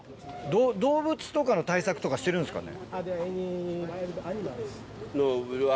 動物とかの対策とか、してるんですかね？